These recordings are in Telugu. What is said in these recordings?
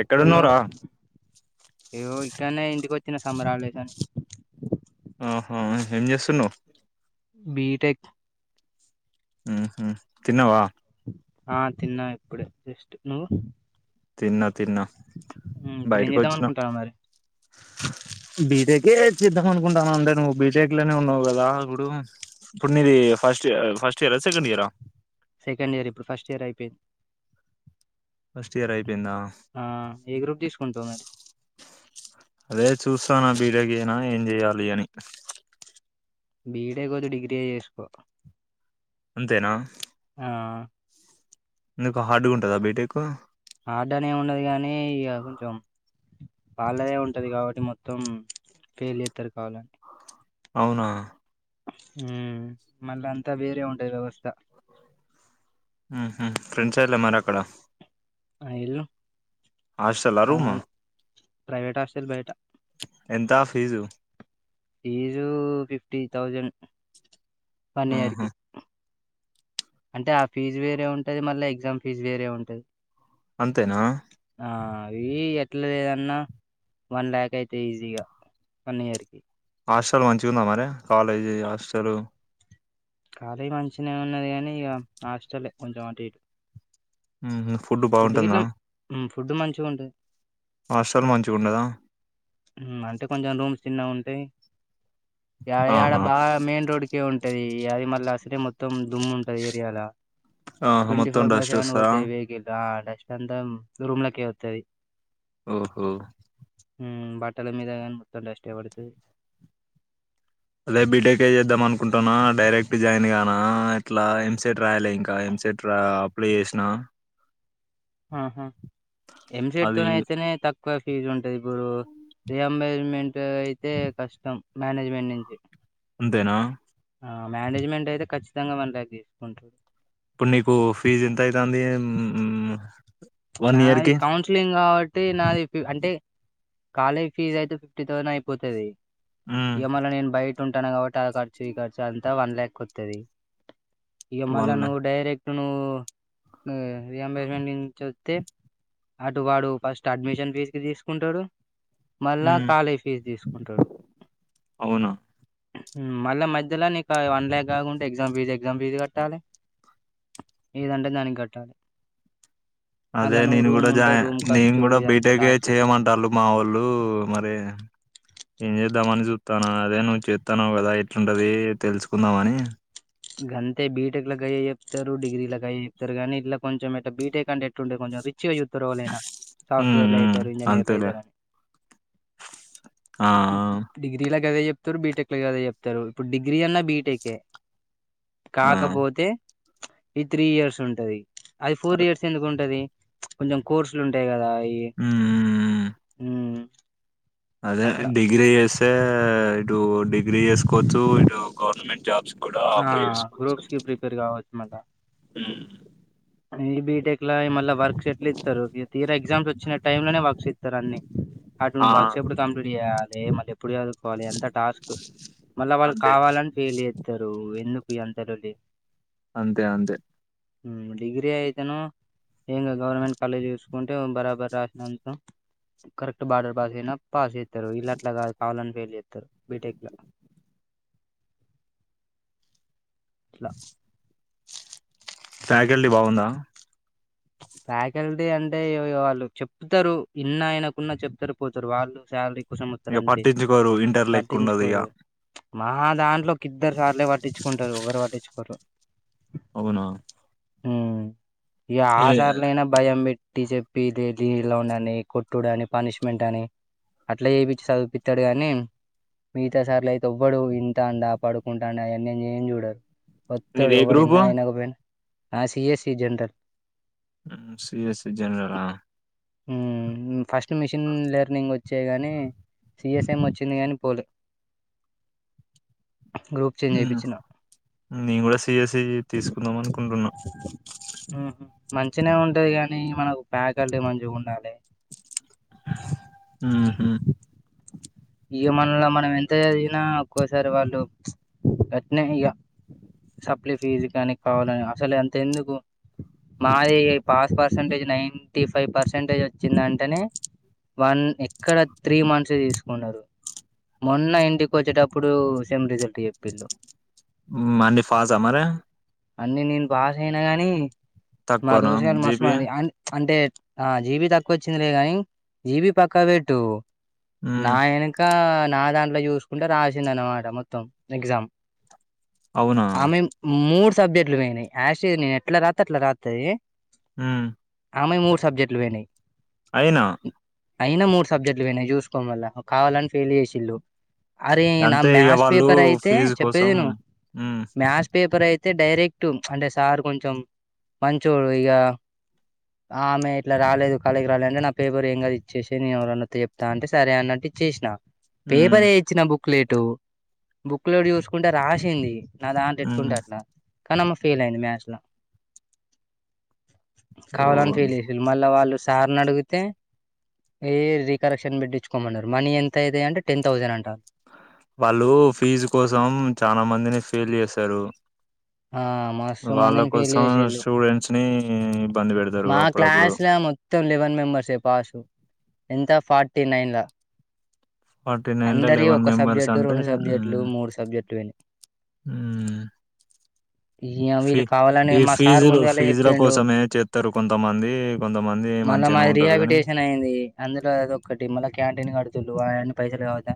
ఎక్కడున్నావ్రా ఇగో ఇక్కనే ఇంటికి వచ్చిన సమ్మర్ హాలిడేస్ అని ఆహ ఎం చేస్తున్నవ్ బిటెక్ ఉహు తిన్నవా ఆ తిన్నా ఇప్పుడే జస్ట్ నువ్వు తిన్న తిన్నా ఉమ్, ఇప్పుడు ఏం బయటకు చేద్దాం వచ్చిన అనుకుంటావు మరి బీటేకే చేద్దామ అనుకుంటాను అంటే నువ్వు బీటెక్ లోనే ఉన్నావు కదా ఇప్పుడు ఇప్పుడు నీది ఫస్ట్ ఫస్ట్ ఇయరా సెకండ్ ఇయరా సెకండ్ ఇయర్ ఇప్పుడు ఫస్ట్ ఇయర్ అయిపోయింది ఫస్ట్ ఇయర్ అయిపోయిందా ఆ ఏ గ్రూప్ తీసుకుంటావు మరి అదే చూస్తున బిటెక్ చేయన ఏం చేయాలి అని బిడే కొద్ది డిగ్రీ చేసుకో అంతేనా ఆ ఎందుకు హార్డ్గా ఉంటందా బిటెకు హార్డనే ఉండదు గానీ ఇక కొంచెం వాళ్లదే ఉంటది కాబట్టి మొత్తం ఫెయిల్ చేతరు కావాలని అవునా ఉ మళ్ళ అంతా వేరే ఉంటది వ్యవస్థ ఉహు ఫ్రెండ్స్ అయిర మరి అక్కడ ఎల్లు హాస్టల రుమా ప్రైవేట్ హాస్టల్ బయట ఎంత fees fees fifty thousand one year ఉహు కి అంటే ఆ ఫీజు వేరే ఉంటది మళ్ళీ ఎగ్జామ్ ఫీజు వేరే ఉంటది అంతేనా ఆ అవీ ఎట్ల లేదన్నా వన్ ల్యాక్ అయితే ఈజీగా వన్ ఇయర్ కి హాస్టల్ మంచిగుందా మరి కాలేజీ హాస్టలు కాలే మంచినే ఉన్నది గానీ ఇగ హాస్టల్ ఎ కొంచెం అటు ఇటు మ్మ్ మ్ ఫుడ్ బావుంటుందా ఉమ్, ఫుడ్ మంచిగుంటది హాస్టల్ మంచిగుండదా మ్మ్ అంటే కొంచెం రూమ్స్ చిన్నవుంటయ్ యావయ్ ఆడ ఆహా బా మెయిన్ రోడ్కే ఉంటది ఈ అది మళ్ళ అసలే మొత్తం దుమ్ము ఉంటది ఏరియాల ఆహా ట్వంటీ మొత్తం ఫోర్ బై డస్ట్ సెవెన్ వస్తదా వోతాయ్ వేకిల్ రానె శాంతం రూమ్ లకే వత్తది ఓహో మ్మ్ బట్టల మీద గానీ మొత్తం డస్ట్ ఎ పడుతది అదే బీటెక్ ఏ చేద్దాం అనుకుంటన్నా డైరెక్ట్ జాయిన్ గాన ఎట్లా ఎంసెట్ రాయలే ఇంకా ఎంసెట్రా అప్లై చేసినా ఆహా ఎమ్సెట్ అది తోనైతనే తక్ క్కువే ఫీజు ఉంటది ఇప్పుడు రియంబ్జ్మెంట్ అయితే కష్టం మ్యానేజ్మెంట్ నించి అంతేనా ఆ మ్యానేజ్మెంట్ అయితే ఖచ్చితంగా మనలాగే ఉంట్రు. ఇప్పుడు నీకు ఫీజ్ ఎంత అయితాంది ఉమ్ నాది కౌన్సిలింగ్ కాబట్టి నాది ఫిఫ్ అంటే కాలేజ్ ఫీజ్ అయితే ఫిఫ్టీ థౌజన్ అయిపోతది ఉమ్, ఇగ మల్ల నేన్ బైట్ టుంటాను కాబట్టి ఆ ఖర్చు ఈ ఖర్చు అంతా వన్ ల్యాక్ వత్తది ఇగ మళ్ళ వన్ ల్యాక్ నువ్వు డైరెక్ట్ టు నువ్వు నే రియంబర్స్మెంట్ నించి ఒ తే అటు వాడు ఫస్ట్ అడ్మిషన్ ఫీజ్ కి తీసుకుంటాడు మళ్ళా ఉమ్, కాలేజ్ ఫీజు తీసుకుంటాడు అవునా ఉమ్ మళ్ళ మధ్యలో నీకు అది వన్ ల్యాక్ కాకుంటే ఎగ్జామ్ ఫీజ్ ఎగ్జామ్ ఫీజ్ గట్టాలి ఏదంటే దానికి కట్టాలి మళ్ళా అదే నువ్వు నేను గుడ రూమ్ ఉంటే జాయిన్ రూమ్ నేను ఖర్చు గుడా ఇదంతా బీటెక్ ఏ టాస్క్ చేయమంటాళ్ళు మా ఓళ్ళు మరే ఏం చేద్దామని జూత్ తను అదే నువ్వు చేత్తన్నావు గదా ఎట్లుంటదీ తెలుసుకుందాం అని గంతే బీటెక్ లా గదే చెప్తరు డిగ్రీలో గదే చెప్తరు గానీ ఇట్ల కొంచం ఇట్ల బీటెక్ అంటే ఎట్లుంటది కొంచం రిచ్ చిగ చూత్తరు వాళ్ళైన ఉమ్, సాఫ్ట్వేర్లు ఉమ్, అయితరు ఇంజనీర్లు అంతేలే అయితరని ఆ! డిగ్రీలక్ గదే చెప్తురు బీటెక్లో గదే చెప్తరు ఇప్పుడు డిగ్రీ అన్నా బీటెక్ ఎ ఆ! కాకపోతే ఇది త్రీ ఇయర్స్ ఉంటది అది ఫోర్ ఇయర్స్ ఎందుకు ఉంటది కొంచం కోర్సులు ఉంటాయి కదా అయి హ్మ్. హ్మ్. ఉమ్ అదే డిగ్రీ చేస్తే హే ఇటు డిగ్రీ చేసుకోచ్చు ఇటు గవర్నమెంట్ జాబ్స్ కూడా ఆ అప్లై చేసుకోవచ్చు. గ్రూప్స్ కి ప్రిపేర్ కావచ్చు మళ్ల హ్మ్. ఏ బీడ్ అంటే ఎట్ల మళ్ళ వర్క్స్ ఎట్ల ఇత్తరు తీర్ తీరా ఎగ్జామ్స్ వచ్చిన టైమ్ లోనే వర్క్స్ ఇత్తరు అన్ని అటు ఆ! వర్క్స్ ఎప్పుడు కంప్లీట్ చేయాలి మళ్ళి ఎప్పుడు చదువుకోవాలి అంతా టాస్క్ మళ్ళా వాళ్ళు అంతే. కావాలని ఫెయిల్ చేత్తరు ఎందుక్ ఈ అంత లొల్లి అంతే అంతే ఉమ్ డిగ్రీ అయితనో ఏం ఇంగ గవర్నమెంట్ కాలేజ్ చూసుకుంటే బరాబర్ రాసినంత కరెక్ట్ బార్డర్ పాస్ అయినా పాస్ అయ్ తరు వీళ్ళు అట్లగాదు కావాలని ఫెయిల్ చేత్తరు బీటెక్ లో అట్లా ఫ్యాకల్టీ బాగుందా ఫ్యాకల్టీ అంటే వాళ్ళు చెప్తారు ఇన్న ఆయనకున్నా చెప్తారు పోతారు వాళ్ళు శాలరీ కోసం వస్తారు ఇగ అంతే పట్టించుకోరు ఇంటర్లో ఎక్కు ఉండదు ఇగ పట్టించుకోరు మా దాంట్లో ఇద్దరు సార్లే పట్టించుకుంటారు ఓవరు పట్టించుకోరు అవునా ఉమ్. ఇగ ఏ ఆస్తి సార్లయినా భయం పెట్ ట్టి చెప్పి [unintelligible] కొట్టుడు అని పనిష్మెంట్ అని అట్లా చేపిచ్చి సదువుపిత్తరు గాని మిగతా సార్లు అయితే ఓవ్వడు ఇంటండా పడుకుండ అవన్నీ ఏం చూడరు ఒత్తడు నీదే ఓవ్వడు గ్రూపు? విన్నా వినకపోయినా ఆ సీఈసీ జనరల్ హ్మ్. సీఎస్ఈ జనరలా? ఊ ఫస్ట్ మిషిన్ లెర్నింగ్ వచ్చాయి గానీ సిఎస్ఎం వచ్చింది కానీ పోలు నేను కూడా సీఈసీ తీసుకుందాం అనుకుంటున్నా మంచినే ఉంటది కాని మనకు ఫ్యాకల్టీ మంచిగా ఉండాలి ఉహు ఇగ మనల మనం ఎంత చదిగినా ఒక్కోసారి వాళ్ళు గట్నే ఇగ సప్లి ఫీజ్ కానీ కావాలని అసలు ఎంత ఎందుకు మాది pass percentage ninety five percentage వచ్చిందింటేనే వన్ ఎక్కడ త్రీ మంత్స్ తీసుకు న్నారు మొన్న ఇంటికి వచ్చేటప్పుడు సేమ్ రిజల్ట్ చెప్పిలు మణి ఫాస్ అ మరి అన్నీ నేను పాస్ అయినా గాని మా తక్కువనా దోస్తుగాల్లు జీపీఏ? మస్తుమంది అ అంటే ఆ జీబి తక్కువ వచ్చిందిలే గాని జీబి పక్కా పెట్టు నా హ్మ్. ఎనక నాదాంట్లో దాంట్లో చూసుకుంటే రాసింది అనమాట మొత్తం ఎగ్జామ్ అవునా? ఆమె మూడ్ సబ్జెక్ట్లు పోయినాయి ఆసిటీస్ నేను ఎట్లా రాత్తే అట్లా రాత్తది హు ఆమేవి మూడు సబ్జెక్ట్లు పోయినయి అయినా అయినా మూడు సబ్జెక్లు పోయినాయి చూస్ చూసుకో మళ్ళ కావాలని ఫెయిల్ చేసిర్రు అరే నా అంతే ఇగ మ్యాథ్స్ వాళ్ళు పేపర్ అయితే ఫీజు కోసం చెప్పేదిను హ్మ్ మ్యాథ్స్ పేపర్ అయితే అయితే డైరెక్ట్ అంటే సార్ కొంచెం మంచోడు ఇక ఆమె ఇట్లా రాలేదు కాలేజీకి రాలేదు అంటే నా పేపర్ ఏం కాదు ఇచ్చేసేయ్ నేను ఎవరన్నత్తే చెప్తా అంటే సరే అన్నట్టు ఇచ్చేసిన హ్మ్ పేపరే ఇచ్చిన బుక్ బుక్లెట్ బుక్ లో చూసుకుంట రాసింది నాదంట హ్మ్ ఎట్టుంటే అట్లా దానమ్మ ఫెయిల్ అయింది మ్యాస్ లో ఓ కాావాలని ఫేల్ చేసిర్రు మల్లా వాళ్ళు సార్ని అడిగితే ఈ రీకరెక్షన్ బిడ్చ్చ పొమ్మన్నారు మనీ ఎంత అయితది అంటే టెన్థౌసండ్ అంట వాళ్ళు ఫీజు కోసం చాన మందిని ఫెయిల్ చేశారు ఆ మస్తు మందిని ఫీల్ చేసిళ్ళు స్టూడెంట్స్ ని ఇబ్బంది పెడతారు మా అప్పుడప్పుడు క్లాస్ల మొత్తం లెవెన్ మెంబర్స్ పాస్ ఎంత ఫార్టీ నైన్ జ ఫార్టీ నైన్లో లెవెన్ మెంబెర్స్ సబ్జెక్టు, అంటే సబ్జెక్టులు, సబ్జెక్టులు పోయినయి. మ్ ఈ వీళ్ళు కావాలని మా సార్ ఫీజులు ముందు గల్లె ఫీజుల చెప్పిండు కోసమే చేత్తరు కొంతమంది కొంతమంది మన్న మంచిగానే మాదిరిగా ఉంటారు గాని రిబిటేషన్ అయింది అందులో అది ఒక్కటి మళ్ళా క్యాంటీన్ కడుగ్ చల్ల వాని పైసలు పోతే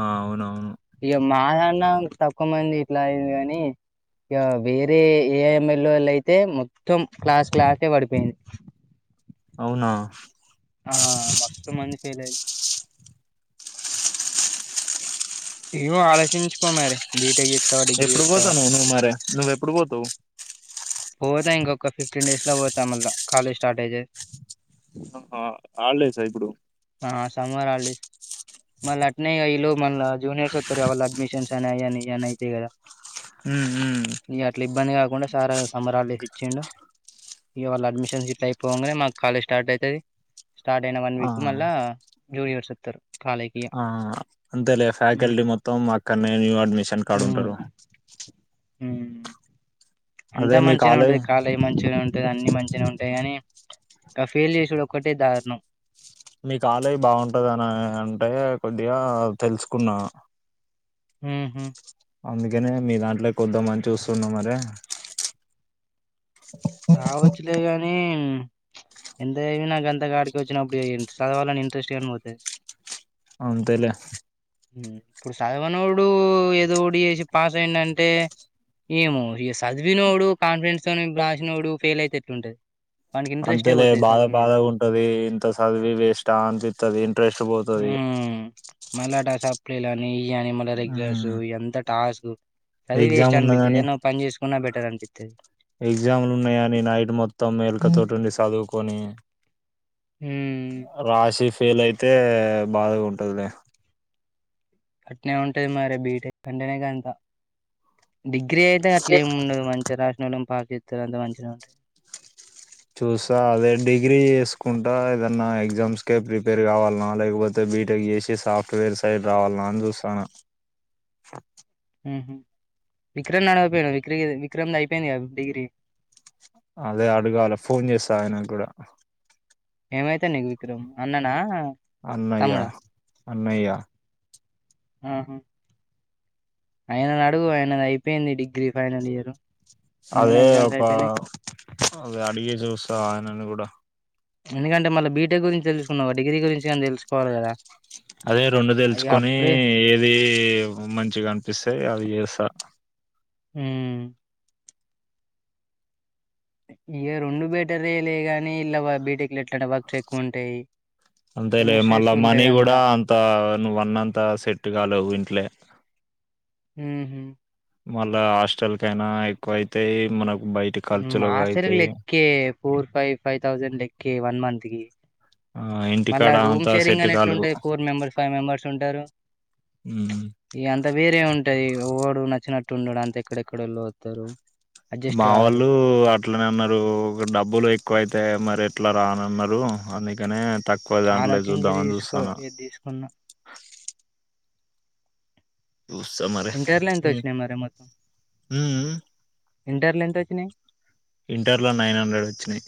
ఆ అవునవును మాదన్నా ఇంగ తక్కువ మంది ఇట్లా అయింది కానీ ఇక వేరే ఏ ఎమ్ ఎల్ వాళ్ళు అయితే మొత్తం క్లాస్ క్లాసే పడిపోయింది అవునా ఆ మస్త్ మంది ఫెయిల్ అయ్యి ఏమో ఆలోచించుకో మరి బీటెక్ చేత్తవా? డిగ్రీ ఎప్పుడు చేత్తవా? పోతావ్ నువ్వు నువ్వు మరి నువ్వు ఎప్పుడు పోతావు పోతా ఇంకొక ఫిఫ్టన్ డేస్ లో పోతా మళ్ళా కాలేజ్ స్టార్టేజెస్ ఆహా హాలిడేసా ఇప్పుడు ఆ సమ్మర్ హాలిడేస్ మళ్ళ అట్నె ఈ లోపు మల్లా జూనియర్స్ వత్తరు వాళ్ళ అడ్మిషన్స్ అని అయ్ అని ఏమనయితే కద హ్మ్ హ్మ్ ఇగ అట్లా ఇబ్బంది కాకుండా సారా సంబరాలుకి ఇచ్చిండు ఇవాళ అడ్మిషన్ షిఫ్ట్ అయిపోగానే మాకు కాలేజ్ స్టార్ట్ అయితది స్టార్ట్ అయిన వన్ వీక్ ఆ మళ్ళా జూనియర్స్ త్త ఆ అంతే లే ఫ్యాకల్టీ మొత్తం అక్కడనే న్యూ అడ్మిషన్ కాడ ఉంటరు ఊ అంతా మంచిగానే ఉంటది కాలేజ్ మంచిగనే ఉం అన్ని మంచినే ఉంటయి కానీ గా ఫెయిల్ చేసేది ఒక్కటే దారుణం మీ కాలేజ్ బావుంటదని అంటే కొద్దిగా తెలుసుకున్నాను ఊహూ అందుకనే మీ దాంట్లో కి వద్దామని చూస్తున్న మరి రావచ్చులేగాని! ఎంత చదివిన గంత గాడికి వచ్చినపుడు చదవాల ఇంట్రెస్ట్గా పోతది అంతేలే ఇప్పుడు చదువనోడు ఏదోకటి చేసి పాసైండంటే ఏమో ఇగ చదివినోడు కాన్ఫిడెన్స్తోనీ రాసినోడు పైల్ అయితే ఎట్టటుంటది అంతేలే బాధ బాధగుంటది ఇంత సదివి వేస్టా అనిపిత్తది ఇంట్రెస్ట్ బోతది మలాట సప్లిలని ఇగాని రెగ్యులర్స్ మ్మ్ ఎంత టాస్క్ చదివి వేస్ట్ ఎగ్జామ్ అనిపిత్తది ఉన్నదని ఏదన్న ఒక పని చేసుకున్నా బెటర్ అనిపిత్తది ఎగ్జామ్లు ఉన్నాయి అని నైట్ మొత్తం మేలకతోటిండి చదువుకో పోని ఉమ్ రాషిఫ్ ఫైలైతే బాధగుంటది లె అట్నేఉంటది మరి బీటెక్ అంటేనే గంత డిగ్రీ అయితే అట్లేముండదు మంచిగ రాసినోళ్ళం పాస్ చేతనంటే మంచిగనేఉంటది చూస్తా అదే డిగ్రీ చేసుకుంటా ఏదన్నా ఎగ్జామ్స్కే ప్రిపేర్ కావాలనా లేకపోతే బీటెక్ చేసి సాఫ్ట్వేర్ సైడ్ రావాలనా అని చూస్తన్న ఊహూ విక్రమ్ని అడగపోయినవ విక్రియా విక్రమ్ ది అయిపోయింది గా డిగ్రీ అదే అడగాల ఫోన్ చేస్తా ఆయనికి గూడ ఏమైతడు నీకు విక్రమ్ అన్న నా అన్నయ్య అన్నయ్య. అహా ఆయనను అడుగు ఆయనది అయిపోయింది డిగ్రీ ఫైనలియర్. అదే ఒక అది అడిగి చూస్తూ ఆయననుగూడ ఎందుకంటే మళ్ళ బీటెక్ గురించి తెలుసుకున్నావు డిగ్రీ గురించి కానీ తెలుసుకోవాలి కదా. అదే అయ్య రొండుతెలుకొని అప్పుడే ఏది ఏవో మంచిగాం ఇసే ఇగ అవి చేస్తా ఉ ఇగ రెండు బేటరేలె గానీ ఇలా బిటెక్ అంతే లే కొంచెం స్ట్రెస్ మళ్ళా మనీ ఉంటది కూడా అంతా అంత నువ్ అన్నంత సెట్ కాలేవు ఇంట్లే ఉహ మళ్ళా హాస్టల్కైన ఎక్కువైతయి మనకు బయటి ఖర్చులు అయితాయి హాస్టల్కిలెక్క ఫోర్ ఫైవ్ థౌసండ్ లెక్క వన్ మంత్ తిగి ఆ మళ్ళా ఇంటికాడ రూమ్ అంతా సెట్ షేరింగని కాలేదు ఎట్లుంటాయి ఫోర్ మెంబర్స్ ఫైవ్ మెంబర్స్ ఉంటారు ఉమ్. ఇ అంత వేరే ఉంటాది. ఇడు నచ్చినట్టు ఉండడు అంత ఎక్కడెక్కడెళ్ళు వస్తారు మావళ్లు అట్లనే అన్నారు ఒక డబ్బులు ఎక్కువ అయితే మరి ఎట్లా రానిన్నారు అందుకనే. తక్కువ దాంట్లో ఆలోచించి చూద్దామని తీసుకో చూస్తాను ఏది తీసుకున్నా. ఇంటర్లో ఎంత వచ్చినాయి ఆ ఇంటర్లు ఎంత వచ్చినాయి ఇంటర్లో నైన్ హండ్రెడ్ వచ్చినాయి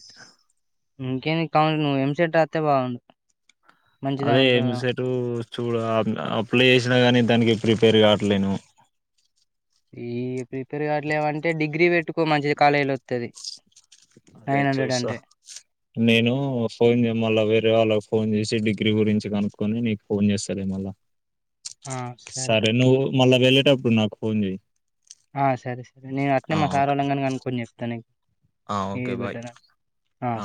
ఇంకే నువ్వు ఎంసట్ అస్తే బాగుంవు అదే ఎ సటుూ చూడు అప్లై చేసినా కానీ దానికి ప్రిపేర్ కావట్లేను ఈ ప్రిపేర్ కావట్లేమంటే డిగ్రీ పెట్టుకో మంచిది కాలేజీ లో వస్తుంది. అదే చూసా నేను ఫోన్ చేయ మళ్ళా వేరే వాళ్ళకి ఫోన్ చేసి డిగ్రీ గురించి కనుక్కొని నీకు ఫోన్ చేస్తారు ఏ మళ్ళ సరే నువ్వు మళ్ళా వెళ్ళ అప్పుడు నాకు ఫోన్ చెయ్ ఆ సర అట్నే మా సార్వలంగాని కనుకొని చెప్తా నకు ఆ ఓకే బాయ్ ఆ